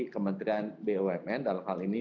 kementerian bumn dalam hal ini